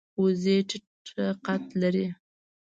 وزې ټیټه قد لري